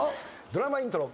ドラマイントロ。